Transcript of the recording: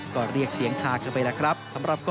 ก็เรียกเสียงฮากันไปแล้วครับ